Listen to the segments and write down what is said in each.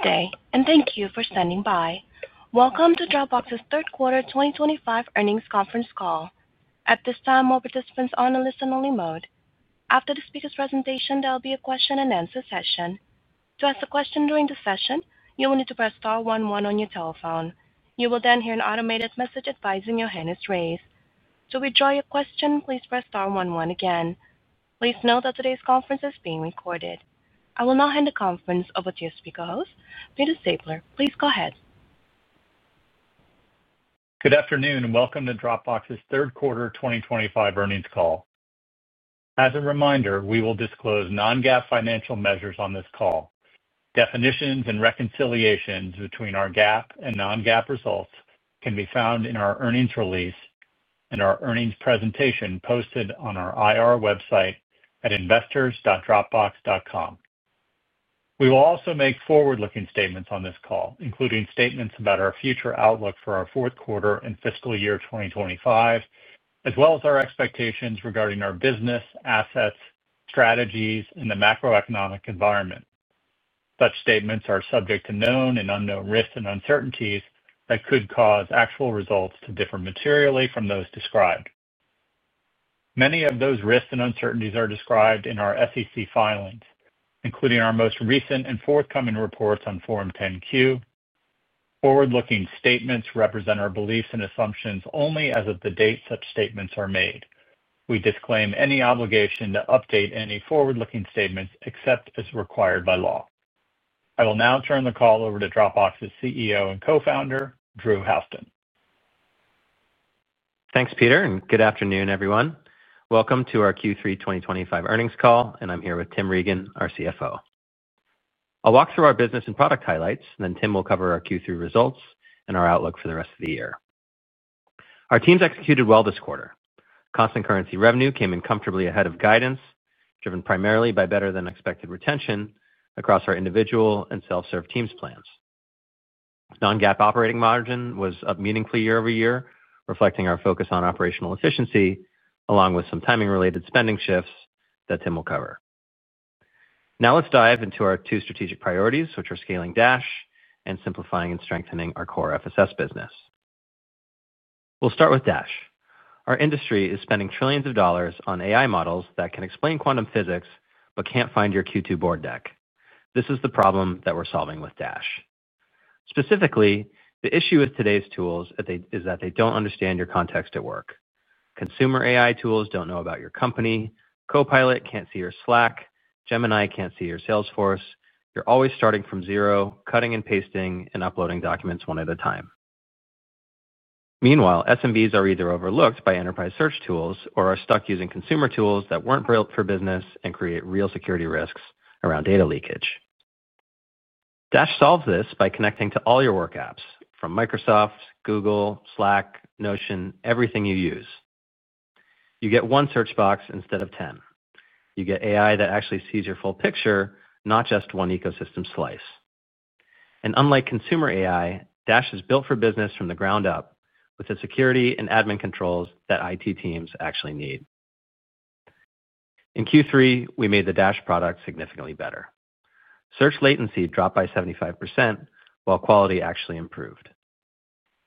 Today, and thank you for standing by. Welcome to Dropbox's third quarter 2025 earnings conference call. At this time, all participants are on a listen-only mode. After the speaker's presentation, there will be a question-and-answer session. To ask a question during the session, you will need to press star 11 on your telephone. You will then hear an automated message advising your hand is raised. To withdraw your question, please press star 11 again. Please note that today's conference is being recorded. I will now hand the conference over to your speaker host, Peter Stabler. Please go ahead. Good afternoon, and welcome to Dropbox's third quarter 2025 earnings call. As a reminder, we will disclose non-GAAP financial measures on this call. Definitions and reconciliations between our GAAP and non-GAAP results can be found in our earnings release and our earnings presentation posted on our IR website at investors.dropbox.com. We will also make forward-looking statements on this call, including statements about our future outlook for our fourth quarter and fiscal year 2025, as well as our expectations regarding our business, assets, strategies, and the macroeconomic environment. Such statements are subject to known and unknown risks and uncertainties that could cause actual results to differ materially from those described. Many of those risks and uncertainties are described in our SEC filings, including our most recent and forthcoming reports on Form 10-Q. Forward-looking statements represent our beliefs and assumptions only as of the date such statements are made. We disclaim any obligation to update any forward-looking statements except as required by law. I will now turn the call over to Dropbox's CEO and co-founder, Drew Houston. Thanks, Peter, and good afternoon, everyone. Welcome to our Q3 2025 earnings call, and I'm here with Tim Regan, our CFO. I'll walk through our business and product highlights, and then Tim will cover our Q3 results and our outlook for the rest of the year. Our teams executed well this quarter. Constant currency revenue came in comfortably ahead of guidance, driven primarily by better-than-expected retention across our individual and self-serve teams' plans. Non-GAAP operating margin was up meaningfully year-over-year, reflecting our focus on operational efficiency, along with some timing-related spending shifts that Tim will cover. Now let's dive into our two strategic priorities, which are scaling Dash and simplifying and strengthening our core FSS business. We'll start with Dash. Our industry is spending trillions of dollars on AI models that can explain quantum physics but can't find your Q2 board deck. This is the problem that we're solving with Dash. Specifically, the issue with today's tools is that they don't understand your context at work. Consumer AI tools don't know about your company. Copilot can't see your Slack. Gemini can't see your Salesforce. You're always starting from zero, cutting and pasting, and uploading documents one at a time. Meanwhile, SMBs are either overlooked by enterprise search tools or are stuck using consumer tools that weren't built for business and create real security risks around data leakage. Dash solves this by connecting to all your work apps from Microsoft, Google, Slack, Notion, everything you use. You get one search box instead of ten. You get AI that actually sees your full picture, not just one ecosystem slice. Unlike consumer AI, Dash is built for business from the ground up with the security and admin controls that IT teams actually need. In Q3, we made the Dash product significantly better. Search latency dropped by 75%, while quality actually improved.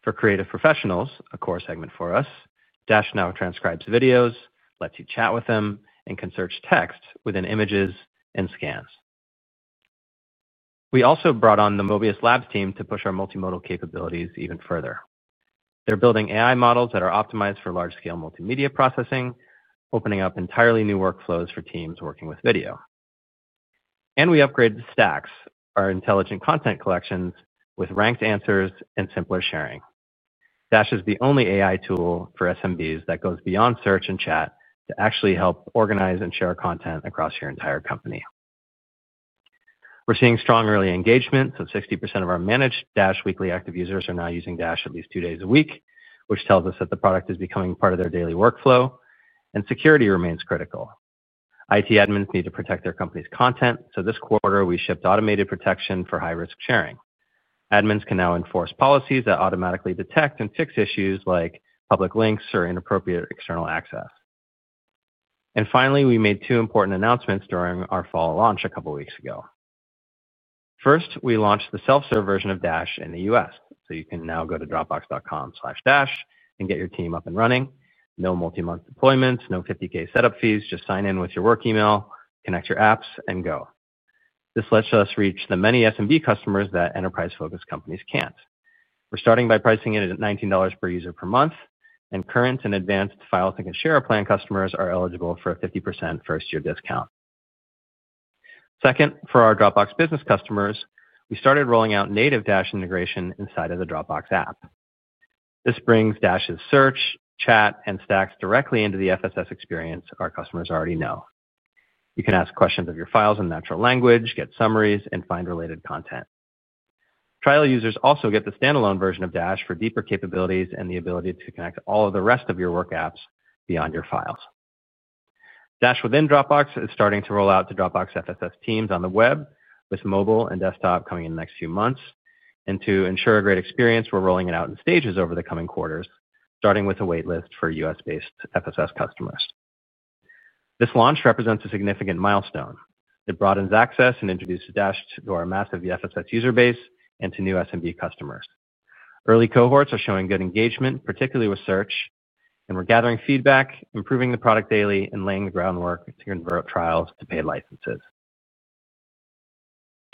For creative professionals, a core segment for us, Dash now transcribes videos, lets you chat with them, and can search text within images and scans. We also brought on the Mobius Labs team to push our multimodal capabilities even further. They're building AI models that are optimized for large-scale multimedia processing, opening up entirely new workflows for teams working with video. We upgraded Stacks, our intelligent content collections, with ranked answers and simpler sharing. Dash is the only AI tool for SMBs that goes beyond search and chat to actually help organize and share content across your entire company. We're seeing strong early engagement, so 60% of our managed Dash weekly active users are now using Dash at least two days a week, which tells us that the product is becoming part of their daily workflow, and security remains critical. IT admins need to protect their company's content, so this quarter, we shipped automated protection for high-risk sharing. Admins can now enforce policies that automatically detect and fix issues like public links or inappropriate external access. Finally, we made two important announcements during our fall launch a couple of weeks ago. First, we launched the self-serve version of Dash in the US, so you can now go to dropbox.com/dash and get your team up and running. No multi-month deployments, no $50,000 setup fees, just sign in with your work email, connect your apps, and go. This lets us reach the many SMB customers that enterprise-focused companies can't. We're starting by pricing it at $19 per user per month, and current and Advanced, File, Think, and Share plan customers are eligible for a 50% first-year discount. Second, for our Dropbox business customers, we started rolling out native Dash integration inside of the Dropbox app. This brings Dash's search, chat, and Stacks directly into the FSS experience our customers already know. You can ask questions of your files in natural language, get summaries, and find related content. Trial users also get the standalone version of Dash for deeper capabilities and the ability to connect all of the rest of your work apps beyond your files. Dash within Dropbox is starting to roll out to Dropbox FSS teams on the web, with mobile and desktop coming in the next few months. To ensure a great experience, we're rolling it out in stages over the coming quarters, starting with a waitlist for US-based FSS customers. This launch represents a significant milestone. It broadens access and introduces Dash to our massive FSS user base and to new SMB customers. Early cohorts are showing good engagement, particularly with search, and we're gathering feedback, improving the product daily, and laying the groundwork to convert trials to paid licenses.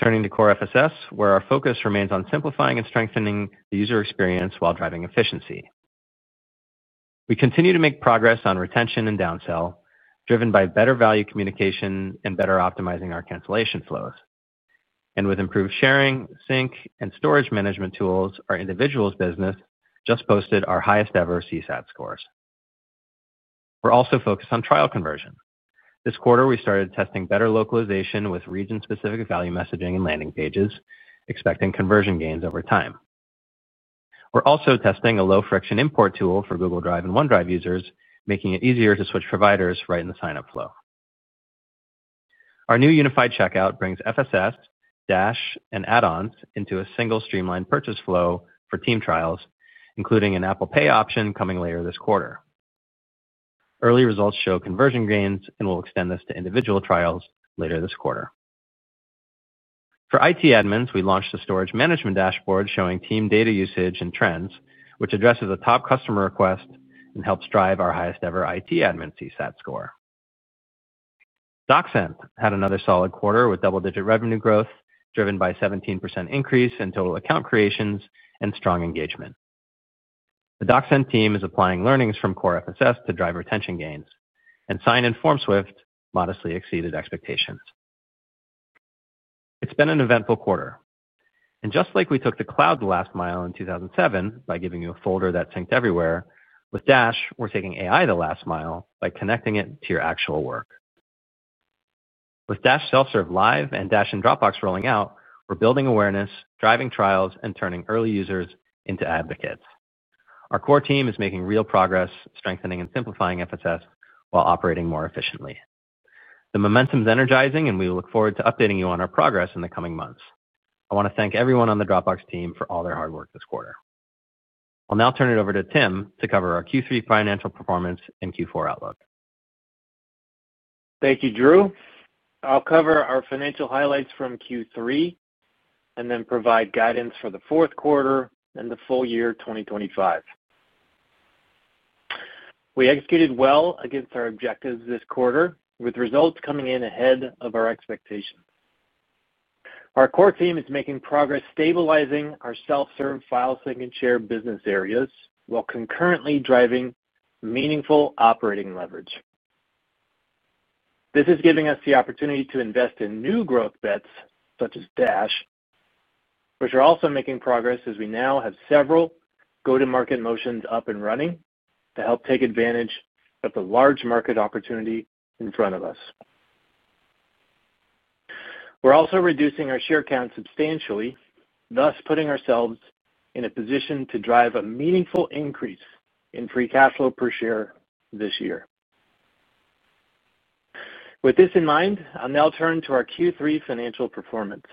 Turning to core FSS, where our focus remains on simplifying and strengthening the user experience while driving efficiency. We continue to make progress on retention and downsell, driven by better value communication and better optimizing our cancellation flows. With improved sharing, sync, and storage management tools, our individuals' business just posted our highest-ever CSAT scores. We're also focused on trial conversion. This quarter, we started testing better localization with region-specific value messaging and landing pages, expecting conversion gains over time. We're also testing a low-friction import tool for Google Drive and OneDrive users, making it easier to switch providers right in the sign-up flow. Our new unified checkout brings FSS, Dash, and add-ons into a single streamlined purchase flow for team trials, including an Apple Pay option coming later this quarter. Early results show conversion gains and will extend this to individual trials later this quarter. For IT admins, we launched a storage management dashboard showing team data usage and trends, which addresses a top customer request and helps drive our highest-ever IT admin CSAT score. DocSend had another solid quarter with double-digit revenue growth, driven by a 17% increase in total account creations and strong engagement. The DocSend team is applying learnings from core FSS to drive retention gains and sign-in forms with modestly exceeded expectations. It's been an eventful quarter. Just like we took the cloud the last mile in 2007 by giving you a folder that synced everywhere, with Dash, we're taking AI the last mile by connecting it to your actual work. With Dash self-serve live and Dash and Dropbox rolling out, we're building awareness, driving trials, and turning early users into advocates. Our core team is making real progress, strengthening and simplifying FSS while operating more efficiently. The momentum is energizing, and we look forward to updating you on our progress in the coming months. I want to thank everyone on the Dropbox team for all their hard work this quarter. I'll now turn it over to Tim to cover our Q3 financial performance and Q4 outlook. Thank you, Drew. I'll cover our financial highlights from Q3. I will then provide guidance for the fourth quarter and the full year 2025. We executed well against our objectives this quarter, with results coming in ahead of our expectations. Our core team is making progress, stabilizing our self-serve file sync and share business areas while concurrently driving meaningful operating leverage. This is giving us the opportunity to invest in new growth bets such as Dash, which are also making progress as we now have several go-to-market motions up and running to help take advantage of the large market opportunity in front of us. We're also reducing our share count substantially, thus putting ourselves in a position to drive a meaningful increase in free cash flow per share this year. With this in mind, I'll now turn to our Q3 financial performance.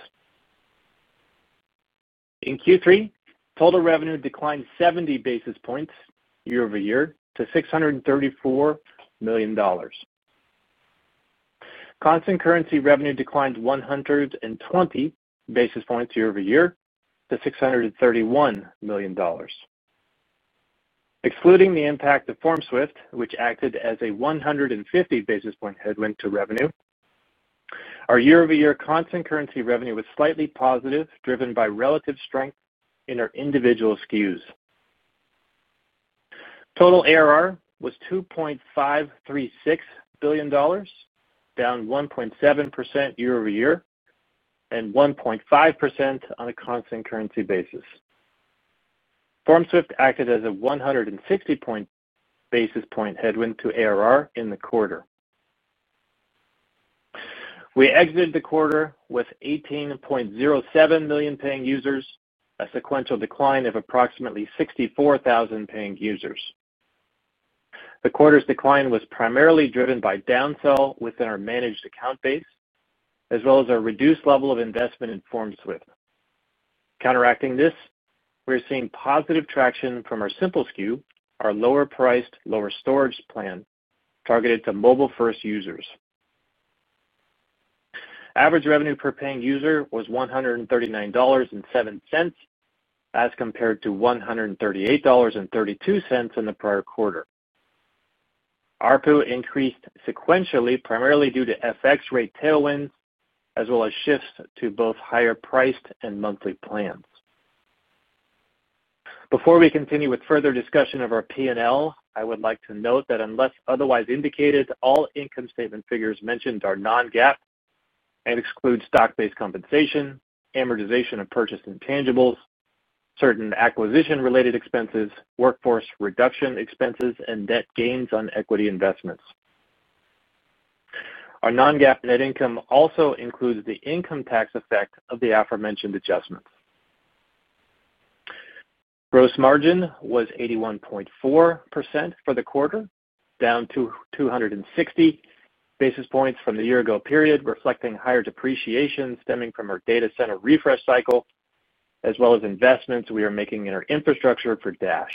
In Q3, total revenue declined 70 basis points year-over-year to $634 million. Constant currency revenue declined 120 basis points year-over-year to $631 million. Excluding the impact of FormSwift, which acted as a 150 basis point headwind to revenue, our year-over-year constant currency revenue was slightly positive, driven by relative strength in our individual SKUs. Total ARR was $2.536 billion, down 1.7% year-over-year and 1.5% on a constant currency basis. FormSwift acted as a 160 basis point headwind to ARR in the quarter. We exited the quarter with 18.07 million paying users, a sequential decline of approximately 64,000 paying users. The quarter's decline was primarily driven by downsell within our managed account base, as well as our reduced level of investment in FormSwift. Counteracting this, we're seeing positive traction from our Simple SKU, our lower-priced, lower storage plan targeted to mobile-first users. Average revenue per paying user was $139.07, as compared to $138.32 in the prior quarter. ARPU increased sequentially, primarily due to FX rate tailwinds, as well as shifts to both higher-priced and monthly plans. Before we continue with further discussion of our P&L, I would like to note that unless otherwise indicated, all income statement figures mentioned are non-GAAP and exclude stock-based compensation, amortization of purchased intangibles, certain acquisition-related expenses, workforce reduction expenses, and net gains on equity investments. Our non-GAAP net income also includes the income tax effect of the aforementioned adjustments. Gross margin was 81.4% for the quarter, down 260 basis points from the year-ago period, reflecting higher depreciation stemming from our data center refresh cycle, as well as investments we are making in our infrastructure for Dash.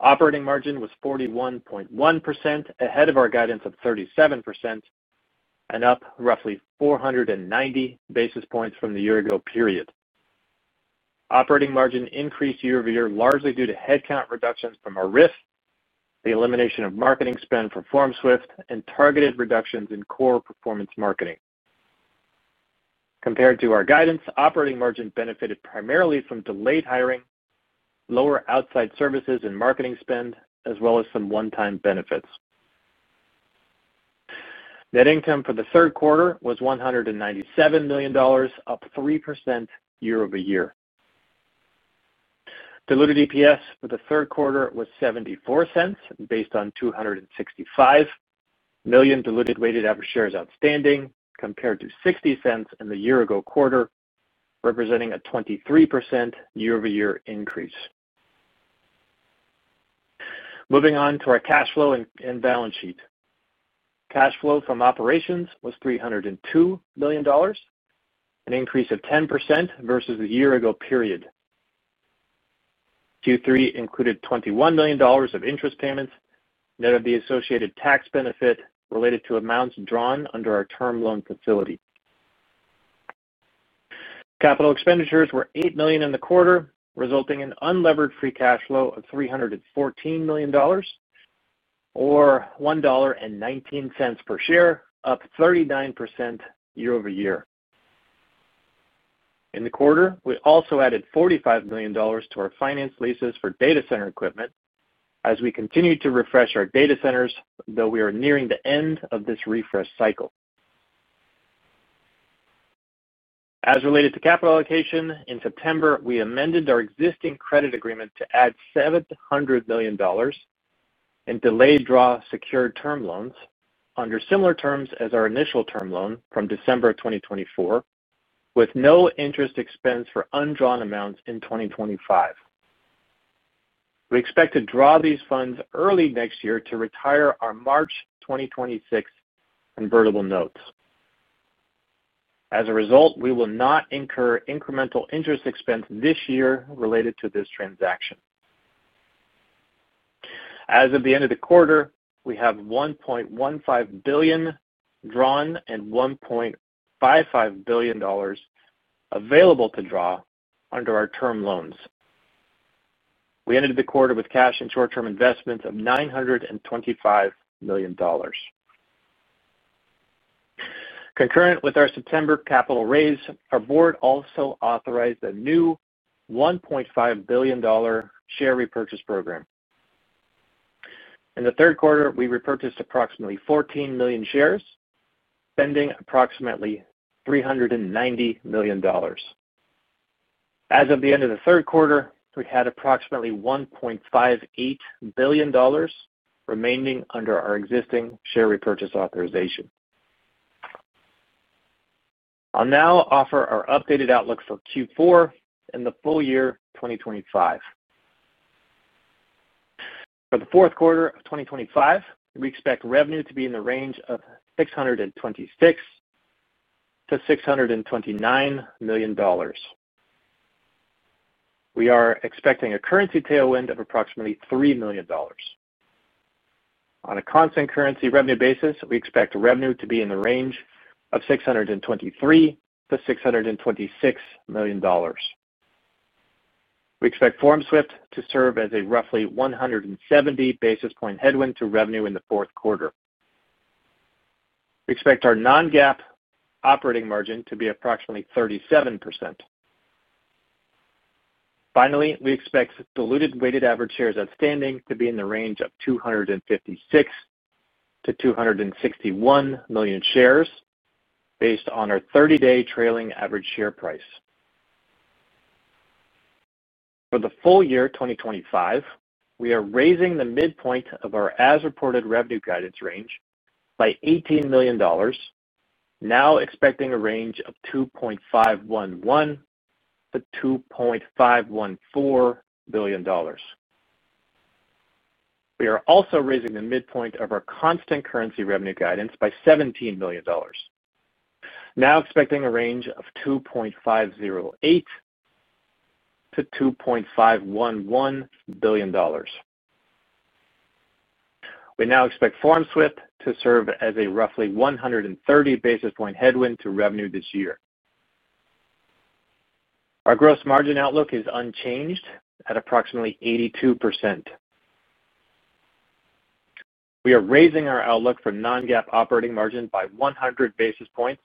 Operating margin was 41.1%, ahead of our guidance of 37%. Up roughly 490 basis points from the year-ago period. Operating margin increased year-over-year largely due to headcount reductions from our RIF, the elimination of marketing spend for FormSwift, and targeted reductions in core performance marketing. Compared to our guidance, operating margin benefited primarily from delayed hiring, lower outside services and marketing spend, as well as some one-time benefits. Net income for the third quarter was $197 million, up 3% year-over-year. Diluted EPS for the third quarter was $0.74, based on 265 million diluted weighted average shares outstanding, compared to $0.60 in the year-ago quarter, representing a 23% year-over-year increase. Moving on to our cash flow and balance sheet. Cash flow from operations was $302 million, an increase of 10% versus the year-ago period. Q3 included $21 million of interest payments, net of the associated tax benefit related to amounts drawn under our term loan facility. Capital expenditures were $8 million in the quarter, resulting in unlevered free cash flow of $314 million, or $1.19 per share, up 39% year-over-year. In the quarter, we also added $45 million to our finance leases for data center equipment as we continue to refresh our data centers, though we are nearing the end of this refresh cycle. As related to capital allocation, in September, we amended our existing credit agreement to add $700 million and delayed draw secured term loans under similar terms as our initial term loan from December 2024, with no interest expense for undrawn amounts in 2025. We expect to draw these funds early next year to retire our March 2026 convertible notes. As a result, we will not incur incremental interest expense this year related to this transaction. As of the end of the quarter, we have $1.15 billion drawn and $1.55 billion. Available to draw under our term loans. We ended the quarter with cash and short-term investments of $925 million. Concurrent with our September capital raise, our board also authorized a new $1.5 billion share repurchase program. In the third quarter, we repurchased approximately 14 million shares, spending approximately $390 million. As of the end of the third quarter, we had approximately $1.58 billion remaining under our existing share repurchase authorization. I'll now offer our updated outlook for Q4 and the full year 2025. For the fourth quarter of 2025, we expect revenue to be in the range of $626-$629 million. We are expecting a currency tailwind of approximately $3 million. On a constant currency revenue basis, we expect revenue to be in the range of $623-$626 million. We expect FormSwift to serve as a roughly 170 basis point headwind to revenue in the fourth quarter. We expect our non-GAAP operating margin to be approximately 37%. Finally, we expect diluted weighted average shares outstanding to be in the range of 256-261 million shares, based on our 30-day trailing average share price. For the full year 2025, we are raising the midpoint of our as-reported revenue guidance range by $18 million, now expecting a range of $2.511 billion-$2.514 billion. We are also raising the midpoint of our constant currency revenue guidance by $17 million, now expecting a range of $2.508 billion-$2.511 billion. We now expect FormSwift to serve as a roughly 130 basis point headwind to revenue this year. Our gross margin outlook is unchanged at approximately 82%. We are raising our outlook for non-GAAP operating margin by 100 basis points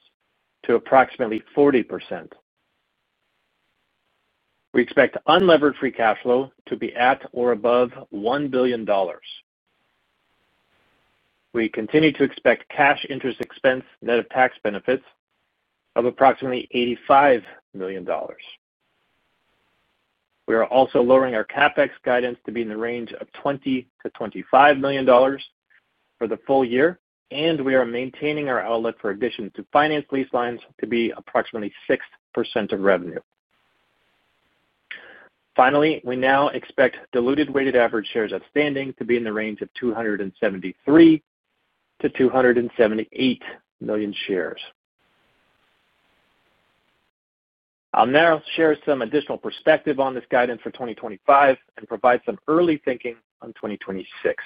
to approximately 40%. We expect unlevered free cash flow to be at or above $1 billion. We continue to expect cash interest expense net of tax benefits of approximately $85 million. We are also lowering our CapEx guidance to be in the range of $20-$25 million for the full year, and we are maintaining our outlook for additions to finance lease lines to be approximately 6% of revenue. Finally, we now expect diluted weighted average shares outstanding to be in the range of 273-278 million shares. I'll now share some additional perspective on this guidance for 2025 and provide some early thinking on 2026.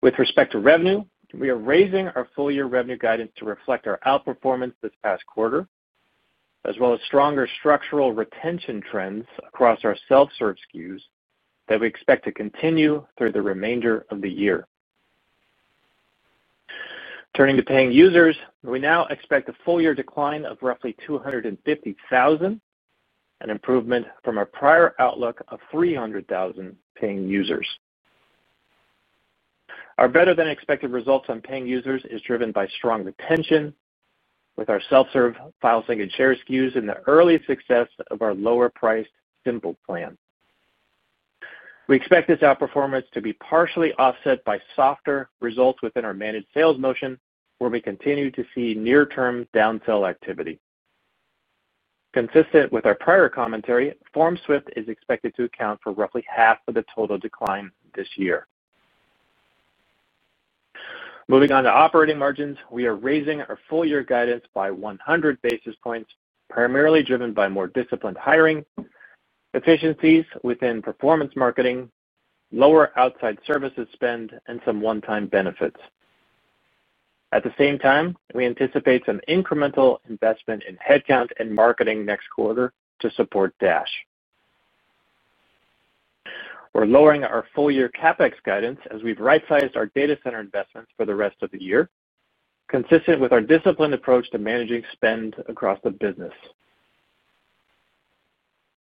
With respect to revenue, we are raising our full year revenue guidance to reflect our outperformance this past quarter, as well as stronger structural retention trends across our self-serve SKUs that we expect to continue through the remainder of the year. Turning to paying users, we now expect a full year decline of roughly 250,000, an improvement from our prior outlook of 300,000 paying users. Our better-than-expected results on paying users is driven by strong retention with our self-serve file sync and share SKUs and the early success of our lower-priced simple plan. We expect this outperformance to be partially offset by softer results within our managed sales motion, where we continue to see near-term downsell activity. Consistent with our prior commentary, FormSwift is expected to account for roughly half of the total decline this year. Moving on to operating margins, we are raising our full year guidance by 100 basis points, primarily driven by more disciplined hiring, efficiencies within performance marketing, lower outside services spend, and some one-time benefits. At the same time, we anticipate some incremental investment in headcount and marketing next quarter to support Dash. We're lowering our full year CapEx guidance as we've right-sized our data center investments for the rest of the year, consistent with our disciplined approach to managing spend across the business.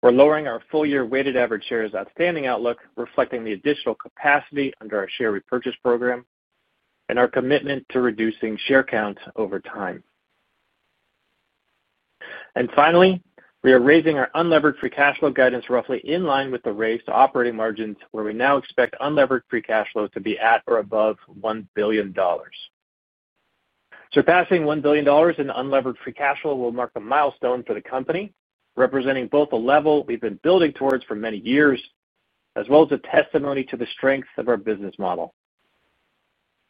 We're lowering our full year weighted average shares outstanding outlook, reflecting the additional capacity under our share repurchase program and our commitment to reducing share count over time. Finally, we are raising our unlevered free cash flow guidance roughly in line with the raised operating margins, where we now expect unlevered free cash flow to be at or above $1 billion. Surpassing $1 billion in unlevered free cash flow will mark a milestone for the company, representing both a level we've been building towards for many years, as well as a testimony to the strength of our business model.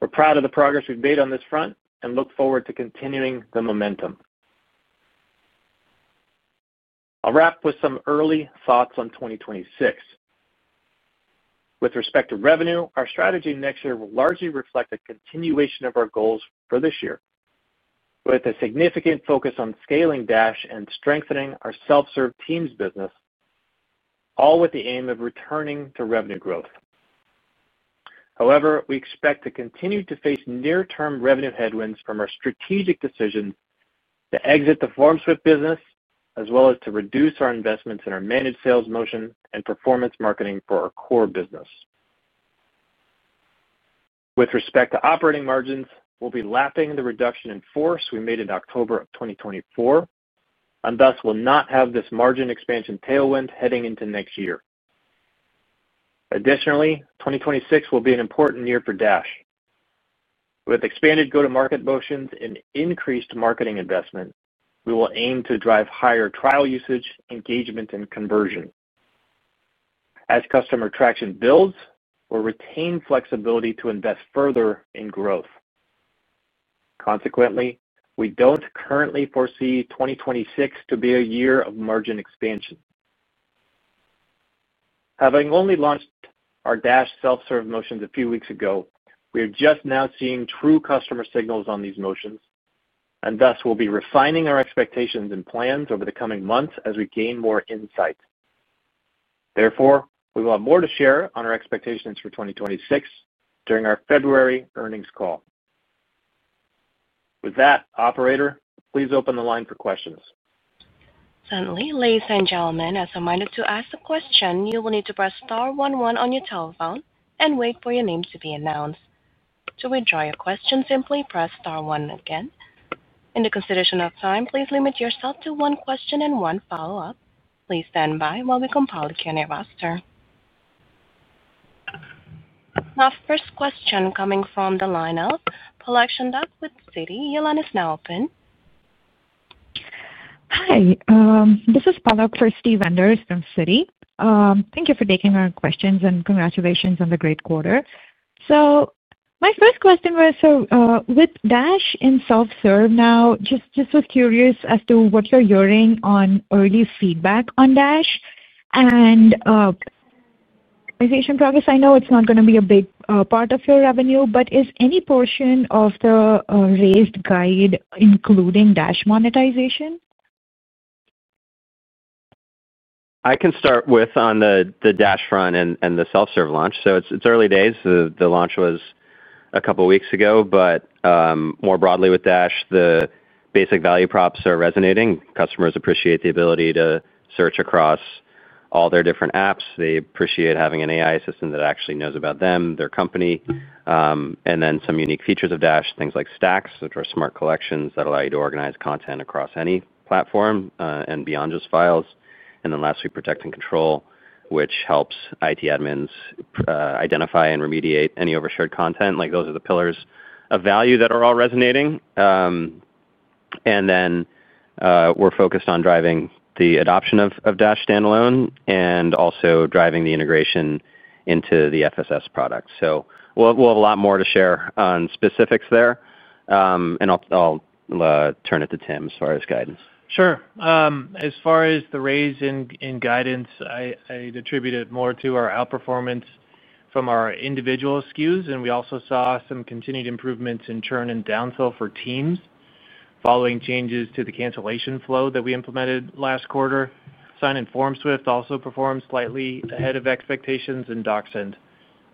We're proud of the progress we've made on this front and look forward to continuing the momentum. I'll wrap with some early thoughts on 2026. With respect to revenue, our strategy next year will largely reflect a continuation of our goals for this year, with a significant focus on scaling Dash and strengthening our self-serve Teams business, all with the aim of returning to revenue growth. However, we expect to continue to face near-term revenue headwinds from our strategic decision to exit the FormSwift business, as well as to reduce our investments in our managed sales motion and performance marketing for our core business. With respect to operating margins, we'll be lapping the reduction in force we made in October of 2024, and thus will not have this margin expansion tailwind heading into next year. Additionally, 2026 will be an important year for Dash, with expanded go-to-market motions and increased marketing investment. We will aim to drive higher trial usage, engagement, and conversion. As customer traction builds, we'll retain flexibility to invest further in growth. Consequently, we don't currently foresee 2026 to be a year of margin expansion. Having only launched our Dash self-serve motions a few weeks ago, we are just now seeing true customer signals on these motions, and thus we'll be refining our expectations and plans over the coming months as we gain more insight. Therefore, we will have more to share on our expectations for 2026 during our February earnings call. With that, Operator, please open the line for questions. Certainly, ladies and gentlemen, as a reminder to ask the question, you will need to press star one one on your telephone and wait for your name to be announced. To withdraw your question, simply press star one again. In the consideration of time, please limit yourself to one question and one follow-up. Please stand by while we compile the Q&A roster. Our first question coming from the lineup, Paula Echenduk with Citi. Yolanda Snellfin. Hi, this is Paula Christie Venders from Citi. Thank you for taking our questions and congratulations on the great quarter. My first question was, with Dash in self-serve now, just was curious as to what you're hearing on early feedback on Dash and monetization progress. I know it's not going to be a big part of your revenue, but is any portion of the raised guide including Dash monetization? I can start with on the Dash front and the self-serve launch. It's early days. The launch was a couple of weeks ago, but more broadly with Dash, the basic value props are resonating. Customers appreciate the ability to search across all their different apps. They appreciate having an AI system that actually knows about them, their company. And then some unique features of Dash, things like Stacks, which are smart collections that allow you to organize content across any platform and beyond just files. Lastly, Protect and Control, which helps IT admins identify and remediate any overshared content. Those are the pillars of value that are all resonating. We're focused on driving the adoption of Dash standalone and also driving the integration into the FSS product. We'll have a lot more to share on specifics there. I'll turn it to Tim as far as guidance. Sure. As far as the raise in guidance, I'd attribute it more to our outperformance from our individual SKUs. We also saw some continued improvements in churn and downsell for Teams following changes to the cancellation flow that we implemented last quarter. Sign and FormSwift also performed slightly ahead of expectations, and DocSend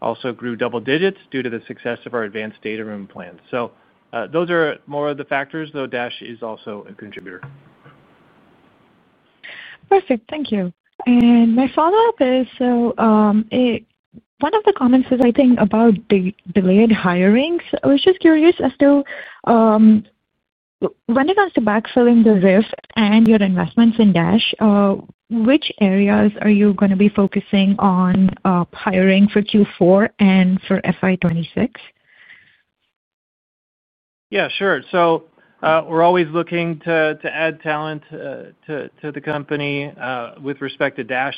also grew double digits due to the success of our Advanced Data Room plans. Those are more of the factors, though Dash is also a contributor. Perfect. Thank you. My follow-up is, one of the comments was, I think, about delayed hirings. I was just curious as to when it comes to backfilling the RIF and your investments in Dash, which areas are you going to be focusing on hiring for Q4 and for fiscal year 2026? Yeah, sure. We're always looking to add talent to the company. With respect to Dash,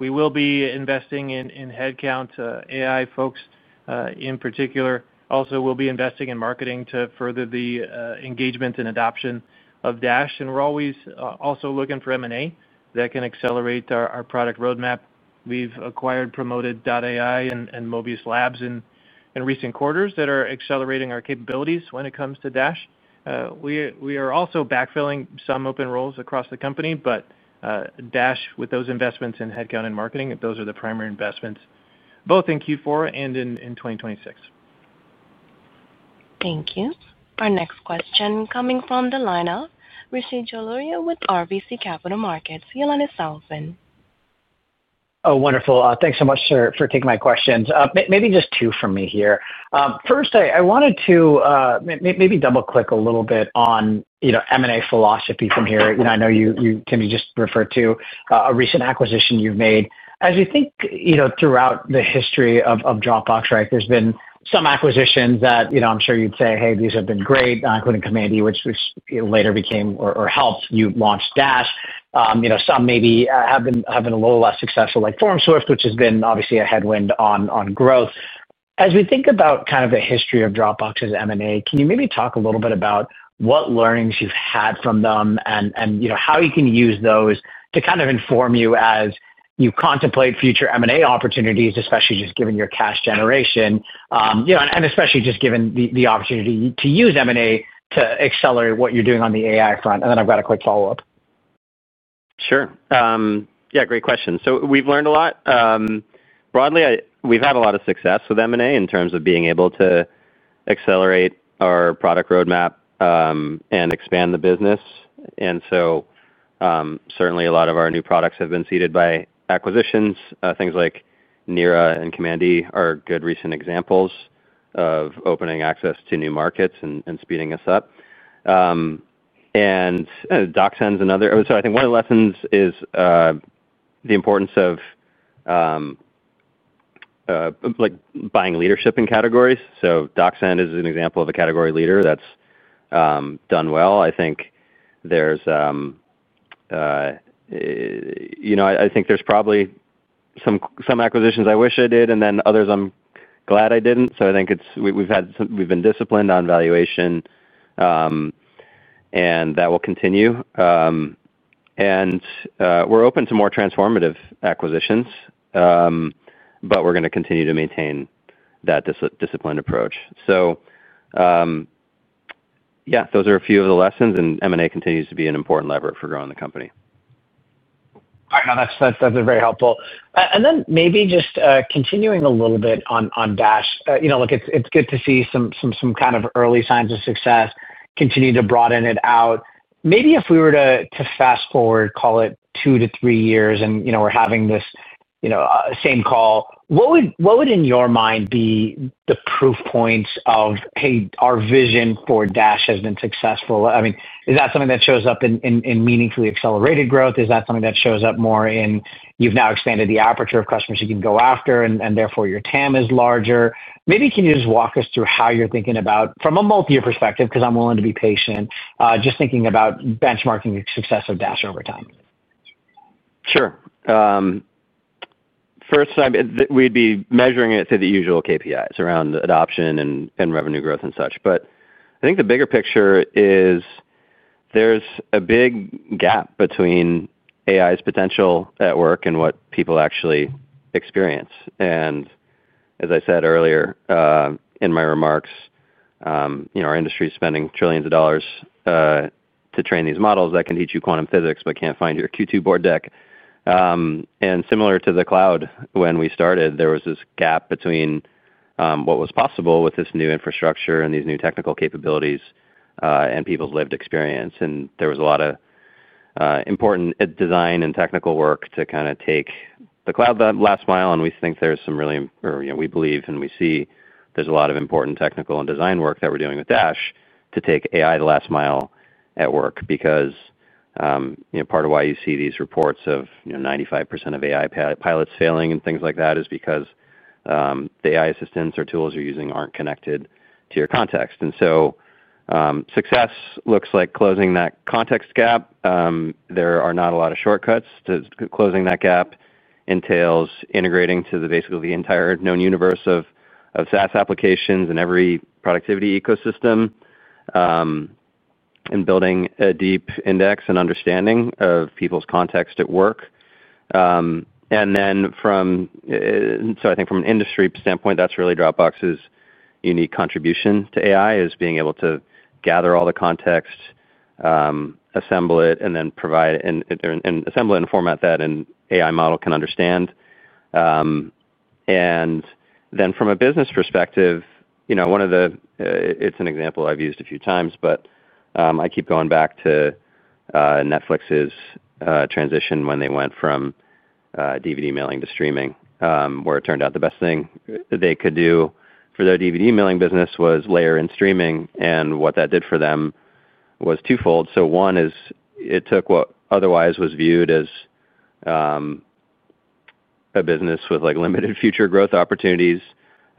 we will be investing in headcount, AI folks in particular. Also, we'll be investing in marketing to further the engagement and adoption of Dash. We're always also looking for M&A that can accelerate our product roadmap. We've acquired, promoted AI and Mobius Labs in recent quarters that are accelerating our capabilities when it comes to Dash. We are also backfilling some open roles across the company, but Dash, with those investments in headcount and marketing, those are the primary investments, both in Q4 and in 2026. Thank you. Our next question coming from the lineup, residual audio with RBC Capital Markets. Yolanda Snellfin. Oh, wonderful. Thanks so much for taking my questions. Maybe just two from me here. First, I wanted to maybe double-click a little bit on M&A philosophy from here. I know you, Tim, you just referred to a recent acquisition you've made. As you think throughout the history of Dropbox, there's been some acquisitions that I'm sure you'd say, "Hey, these have been great," including Commandi, which later became or helped you launch Dash. Some maybe have been a little less successful, like FormSwift, which has been obviously a headwind on growth. As we think about kind of the history of Dropbox's M&A, can you maybe talk a little bit about what learnings you've had from them and how you can use those to kind of inform you as you contemplate future M&A opportunities, especially just given your cash generation, and especially just given the opportunity to use M&A to accelerate what you're doing on the AI front? And then I've got a quick follow-up. Sure. Yeah, great question. We've learned a lot. Broadly, we've had a lot of success with M&A in terms of being able to accelerate our product roadmap and expand the business. Certainly a lot of our new products have been seeded by acquisitions. Things like Nira and Commandi are good recent examples of opening access to new markets and speeding us up. And DocSend's another. I think one of the lessons is the importance of buying leadership in categories. So DocSend is an example of a category leader that's done well. I think there's probably some acquisitions I wish I did, and then others I'm glad I didn't. I think we've been disciplined on valuation, and that will continue. We're open to more transformative acquisitions, but we're going to continue to maintain that disciplined approach. Yeah, those are a few of the lessons, and M&A continues to be an important lever for growing the company. All right. No, that's been very helpful. Then maybe just continuing a little bit on Dash, it's good to see some kind of early signs of success, continue to broaden it out. Maybe if we were to fast forward, call it two to three years, and we're having this same call, what would, in your mind, be the proof points of, "Hey, our vision for Dash has been successful"? I mean, is that something that shows up in meaningfully accelerated growth? Is that something that shows up more in you've now expanded the aperture of customers you can go after, and therefore your TAM is larger? Maybe can you just walk us through how you're thinking about, from a multi-year perspective, because I'm willing to be patient, just thinking about benchmarking the success of Dash over time? Sure. First, we'd be measuring it through the usual KPIs around adoption and revenue growth and such. I think the bigger picture is there's a big gap between AI's potential at work and what people actually experience. As I said earlier in my remarks, our industry is spending trillions of dollars to train these models that can teach you quantum physics but can't find your Q2 board deck. Similar to the cloud, when we started, there was this gap between what was possible with this new infrastructure and these new technical capabilities and people's lived experience. There was a lot of important design and technical work to kind of take the cloud the last mile. We believe and we see there's a lot of important technical and design work that we're doing with Dash to take AI the last mile at work because. Part of why you see these reports of 95% of AI pilots failing and things like that is because the AI assistants or tools you're using aren't connected to your context. Success looks like closing that context gap. There are not a lot of shortcuts to closing that gap. It entails integrating to basically the entire known universe of SaaS applications and every productivity ecosystem, and building a deep index and understanding of people's context at work. I think from an industry standpoint, that's really Dropbox's unique contribution to AI is being able to gather all the context, assemble it, and then format that in a way an AI model can understand. From a business perspective, one of the—it's an example I've used a few times, but I keep going back to Netflix's transition when they went from. DVD mailing to streaming, where it turned out the best thing they could do for their DVD mailing business was layer in streaming. What that did for them was twofold. One is it took what otherwise was viewed as a business with limited future growth opportunities.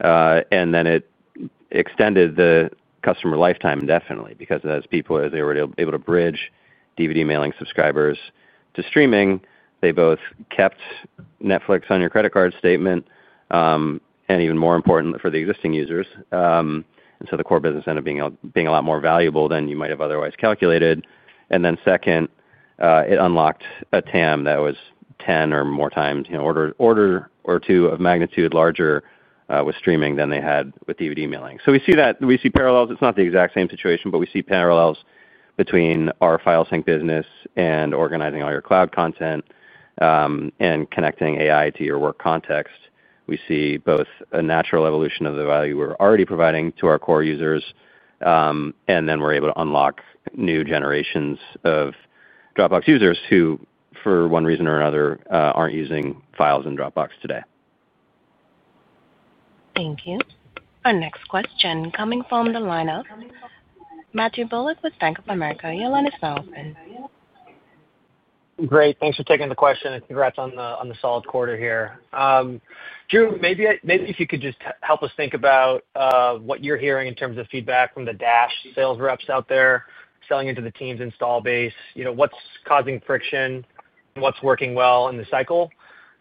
It extended the customer lifetime indefinitely because as people, as they were able to bridge DVD mailing subscribers to streaming, they both kept Netflix on your credit card statement, and even more important for the existing users. The core business ended up being a lot more valuable than you might have otherwise calculated. Second, it unlocked a TAM that was 10 or more times, order or two of magnitude larger with streaming than they had with DVD mailing. We see that. We see parallels. It's not the exact same situation, but we see parallels between our file sync business and organizing all your cloud content. Connecting AI to your work context, we see both a natural evolution of the value we're already providing to our core users. Then we're able to unlock new generations of Dropbox users who, for one reason or another, aren't using files in Dropbox today . Thank you. Our next question coming from the lineup, Matthew Bullock with Bank of America. Yolanda Snellfin. Great, thanks for taking the question and congrats on the solid quarter here. Drew, maybe if you could just help us think about what you're hearing in terms of feedback from the Dash sales reps out there selling into the Teams and Stallbase. What's causing friction? What's working well in the cycle?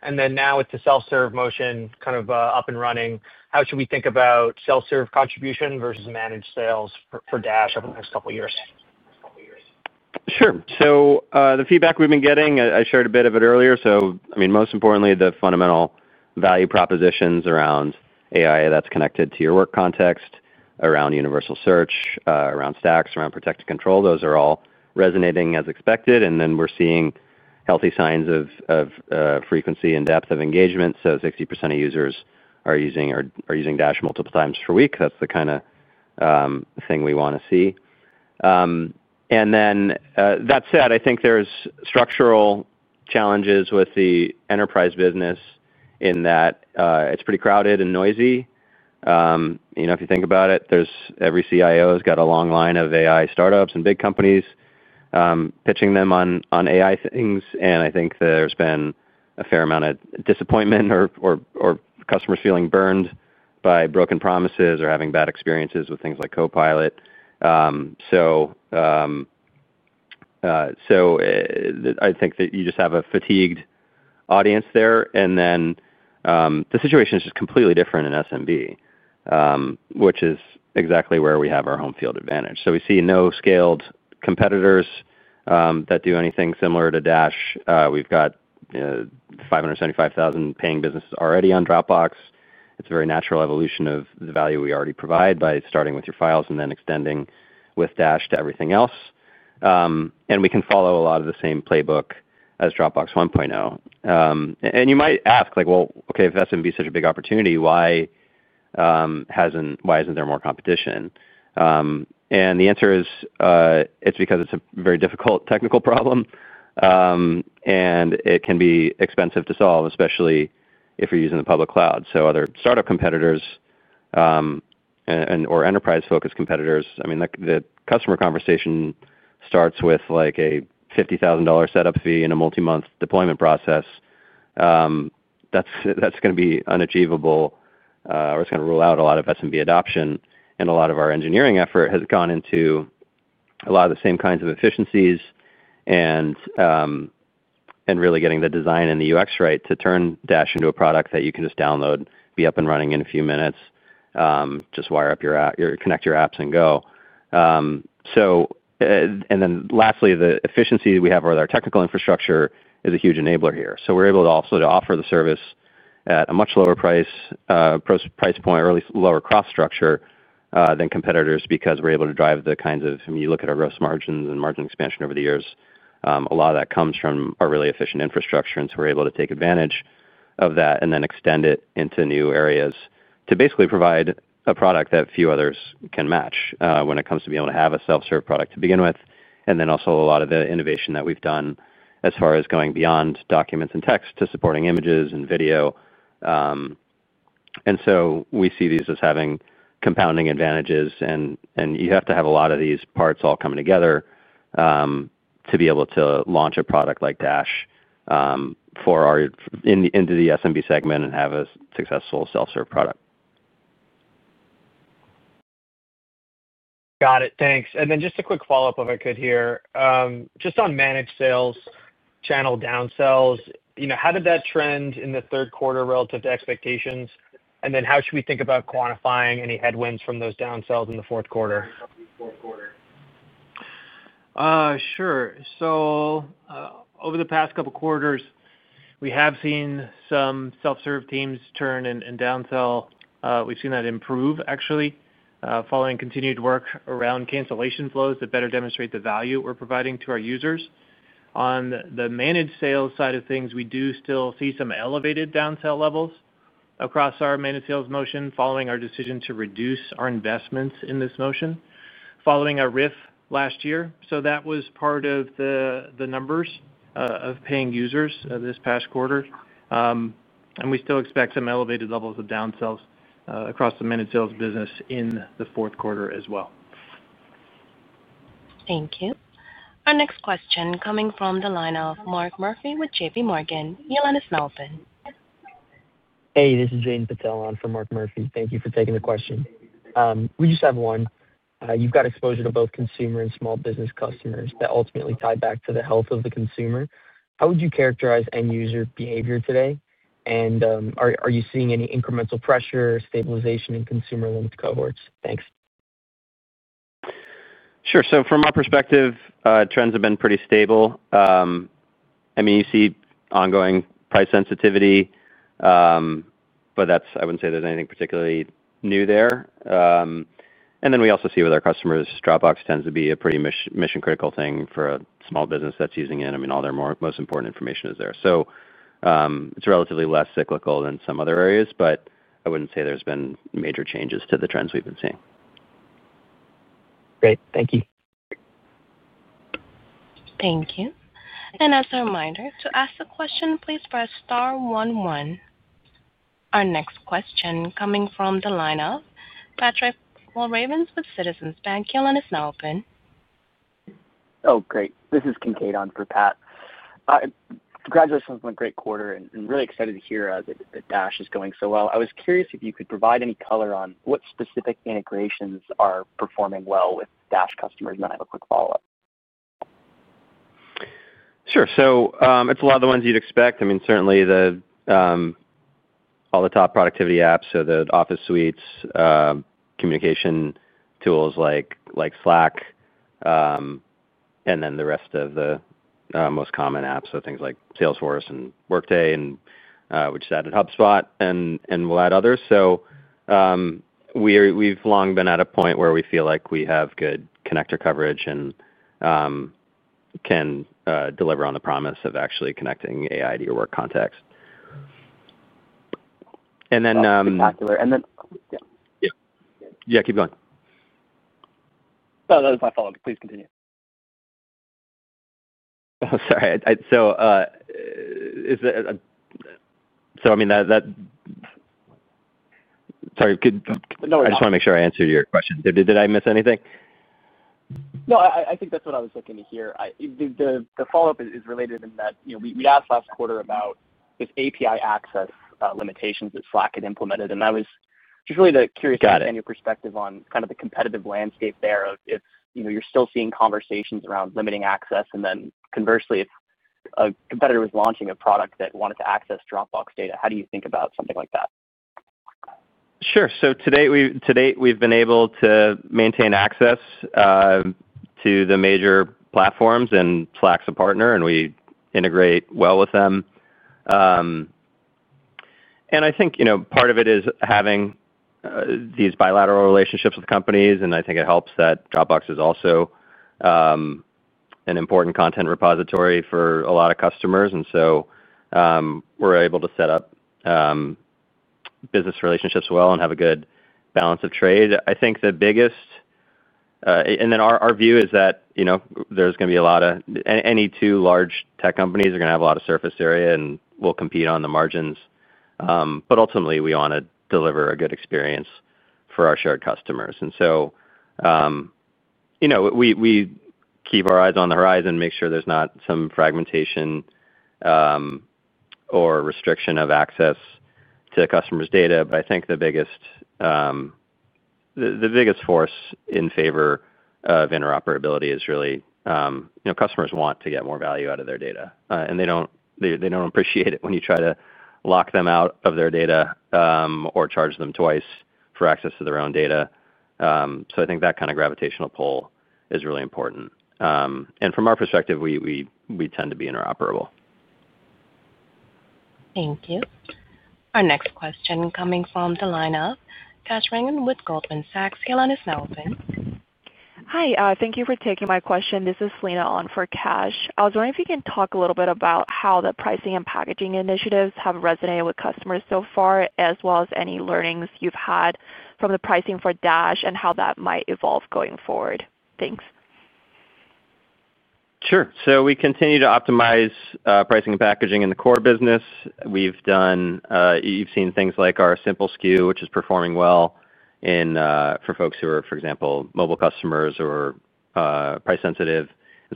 Now it's a self-serve motion kind of up and running. How should we think about self-serve contribution versus managed sales for Dash over the next couple of years? Sure. The feedback we've been getting, I shared a bit of it earlier. I mean, most importantly, the fundamental value propositions around AI that's connected to your work context, around universal search, around Stacks, around protected control, those are all resonating as expected. We are seeing healthy signs of frequency and depth of engagement. 60% of users are using Dash multiple times per week. That's the kind of thing we want to see. That said, I think there are structural challenges with the enterprise business. It is pretty crowded and noisy. If you think about it, every CIO has got a long line of AI startups and big companies pitching them on AI things. I think there's been a fair amount of disappointment or customers feeling burned by broken promises or having bad experiences with things like Copilot. I think that you just have a fatigued audience there. The situation is just completely different in SMB, which is exactly where we have our home field advantage. We see no scaled competitors that do anything similar to Dash. We've got 575,000 paying businesses already on Dropbox. It's a very natural evolution of the value we already provide by starting with your files and then extending with Dash to everything else. We can follow a lot of the same playbook as Dropbox 1.0. You might ask, "Okay, if SMB is such a big opportunity, why isn't there more competition?" The answer is it's because it's a very difficult technical problem. It can be expensive to solve, especially if you're using the public cloud. Other startup competitors or enterprise-focused competitors, I mean, the customer conversation starts with a $50,000 setup fee and a multi-month deployment process. That is going to be unachievable, or it is going to rule out a lot of SMB adoption. A lot of our engineering effort has gone into a lot of the same kinds of efficiencies and really getting the design and the UX right to turn Dash into a product that you can just download, be up and running in a few minutes. Just wire up your app, connect your apps, and go. Lastly, the efficiency that we have with our technical infrastructure is a huge enabler here. We are able to also offer the service at a much lower price. Point, or at least lower cost structure than competitors because we're able to drive the kinds of—I mean, you look at our gross margins and margin expansion over the years, a lot of that comes from our really efficient infrastructure. We are able to take advantage of that and then extend it into new areas to basically provide a product that few others can match when it comes to being able to have a self-serve product to begin with. A lot of the innovation that we've done as far as going beyond documents and text to supporting images and video. We see these as having compounding advantages. You have to have a lot of these parts all coming together to be able to launch a product like Dash into the SMB segment and have a successful self-serve product. Got it. Thanks. Just a quick follow-up, if I could here, just on managed sales channel downsells, how did that trend in the third quarter relative to expectations? How should we think about quantifying any headwinds from those downsells in the fourth quarter? Sure. Over the past couple of quarters, we have seen some self-serve teams turn and downsell. We've seen that improve, actually, following continued work around cancellation flows that better demonstrate the value we're providing to our users. On the managed sales side of things, we do still see some elevated downsell levels across our managed sales motion following our decision to reduce our investments in this motion following our RIF last year. That was part of the numbers of paying users this past quarter. We still expect some elevated levels of downsells across the managed sales business in the fourth quarter as well. Thank you. Our next question coming from the lineup, Mark Murphy with JPMorgan. Your line is open. Hey, this is Jeetu Patel. I'm from Mark Murphy. Thank you for taking the question. We just have one. You've got exposure to both consumer and small business customers that ultimately tie back to the health of the consumer. How would you characterize end-user behavior today? Are you seeing any incremental pressure or stabilization in consumer-linked cohorts? Thanks. Sure. From my perspective, trends have been pretty stable. I mean, you see ongoing price sensitivity. I wouldn't say there's anything particularly new there. We also see with our customers, Dropbox tends to be a pretty mission-critical thing for a small business that's using it. I mean, all their most important information is there. It's relatively less cyclical than some other areas, but I wouldn't say there's been major changes to the trends we've been seeing. Great. Thank you. Thank you. As a reminder, to ask the question, please press star one one. Our next question coming from the lineup, Patrick Walravens with Citizens Bank. Your line is now open Oh, great. This is Kincaid on for Pat. Congratulations on a great quarter, and really excited to hear that Dash is going so well. I was curious if you could provide any color on what specific integrations are performing well with Dash customers and have a quick follow-up. Sure. So it's a lot of the ones you'd expect. I mean, certainly. All the top productivity apps, so the Office Suites, communication tools like Slack. The rest of the most common apps, so things like Salesforce and Workday, which is added HubSpot, and we'll add others. We've long been at a point where we feel like we have good connector coverage and can deliver on the promise of actually connecting AI to your work context. That's spectacular. Yeah. Keep going. Oh, that was my follow-up. Please continue. Sorry. I just want to make sure I answered your question. Did I miss anything? No, I think that's what I was looking to hear. The follow-up is related in that we asked last quarter about this API access limitations that Slack had implemented. I was just really curious to get your perspective on kind of the competitive landscape there of if you're still seeing conversations around limiting access. Conversely, if a competitor was launching a product that wanted to access Dropbox data, how do you think about something like that? Sure. Today we've been able to maintain access to the major platforms, and Slack's a partner, and we integrate well with them. I think part of it is having these bilateral relationships with companies. I think it helps that Dropbox is also an important content repository for a lot of customers. We're able to set up business relationships well and have a good balance of trade. I think the biggest, and then our view is that there's going to be a lot of, any two large tech companies are going to have a lot of surface area and will compete on the margins. Ultimately, we want to deliver a good experience for our shared customers. We keep our eyes on the horizon and make sure there's not some fragmentation or restriction of access to customers' data. I think the biggest. Force in favor of interoperability is really customers want to get more value out of their data. They do not appreciate it when you try to lock them out of their data or charge them twice for access to their own data. I think that kind of gravitational pull is really important. From our perspective, we tend to be interoperable. Thank you. Our next question coming from the lineup, Cash Ring with Goldman Sachs. Yolanda Snellfin. Hi. Thank you for taking my question. This is Selena on for Cash. I was wondering if you can talk a little bit about how the pricing and packaging initiatives have resonated with customers so far, as well as any learnings you have had from the pricing for Dash and how that might evolve going forward. Thanks. Sure. We continue to optimize pricing and packaging in the core business. You've seen things like our Simple SKU, which is performing well for folks who are, for example, mobile customers or price-sensitive.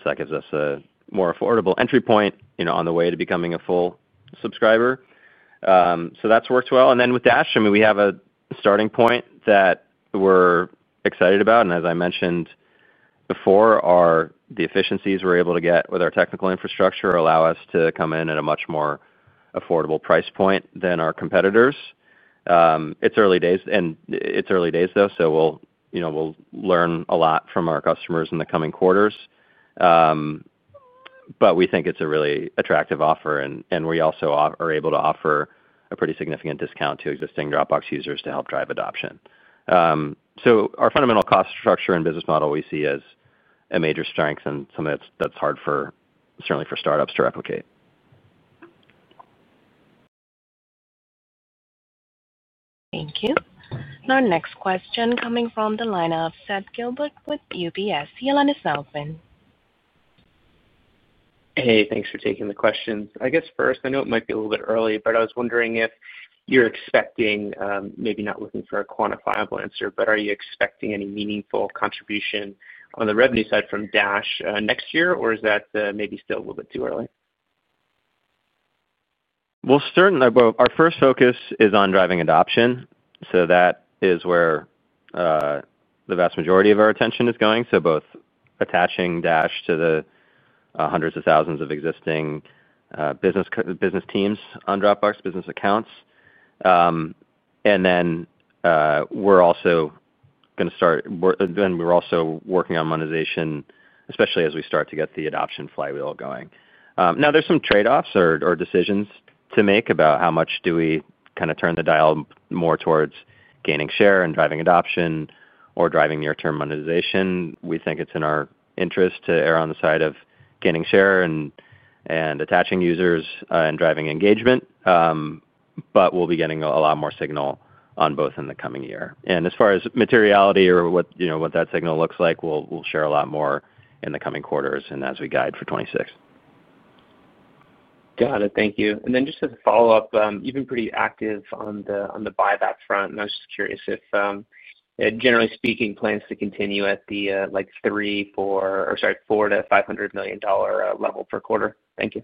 That gives us a more affordable entry point on the way to becoming a full subscriber. That's worked well. With Dash, I mean, we have a starting point that we're excited about. As I mentioned before, the efficiencies we're able to get with our technical infrastructure allow us to come in at a much more affordable price point than our competitors. It's early days, though, so we'll learn a lot from our customers in the coming quarters. We think it's a really attractive offer. We also are able to offer a pretty significant discount to existing Dropbox users to help drive adoption. Our fundamental cost structure and business model we see as a major strength, and something that's hard, certainly for startups to replicate. Thank you. Our next question coming from the lineup, Seth Gilbert with UBS. Yolanda Snellfin. Hey, thanks for taking the questions. I guess first, I know it might be a little bit early, but I was wondering if you're expecting—maybe not looking for a quantifiable answer—but are you expecting any meaningful contribution on the revenue side from Dash next year, or is that maybe still a little bit too early? Certainly. Our first focus is on driving adoption. That is where the vast majority of our attention is going. Both attaching Dash to the hundreds of thousands of existing business teams on Dropbox, business accounts, and then. We're also going to start—we're also working on monetization, especially as we start to get the adoption flywheel going. Now, there's some trade-offs or decisions to make about how much do we kind of turn the dial more towards gaining share and driving adoption or driving near-term monetization. We think it's in our interest to err on the side of gaining share and attaching users and driving engagement. We'll be getting a lot more signal on both in the coming year. As far as materiality or what that signal looks like, we'll share a lot more in the coming quarters and as we guide for 2026. Got it. Thank you. Just as a follow-up, you've been pretty active on the buyback front. I was just curious if, generally speaking, plans to continue at the $400 million-$500 million level per quarter. Thank you.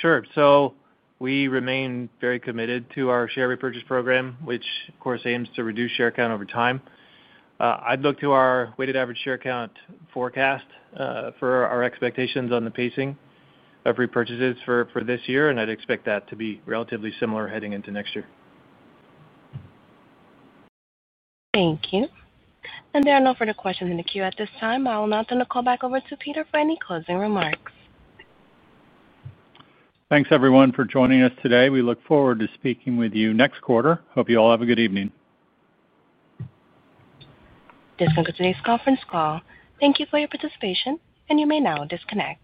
Sure. So we remain very committed to our share repurchase program, which, of course, aims to reduce share count over time. I'd look to our weighted average share count forecast for our expectations on the pacing of repurchases for this year, and I'd expect that to be relatively similar heading into next year. Thank you. There are no further questions in the queue at this time. I will now turn the call back over to Peter for any closing remarks. Thanks, everyone, for joining us today. We look forward to speaking with you next quarter. Hope you all have a good evening. This concludes today's conference call. Thank you for your participation, and you may now disconnect.